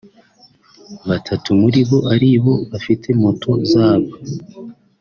batatu muri bo ari bo bafite moto zabo